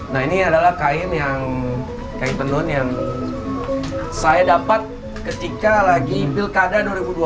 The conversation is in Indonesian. nah ini adalah kain yang kain tenun yang saya dapat ketika lagi pilkada dua ribu dua puluh